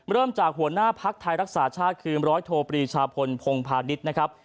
เริ่มจากหัวหน้าภักดิ์ไทยรักษาชาติคือร้อยโทปรีชาพลพงพาณิชย์นะครับ